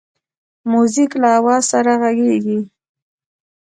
موزیک له آواز سره غږیږي.